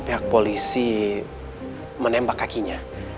pihak polisi menembak kakinya